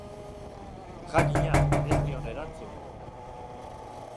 Jakina, ez nion erantzun.